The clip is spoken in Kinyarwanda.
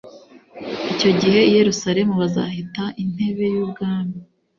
icyo gihe i yerusalemu bazahita intebe y ubwami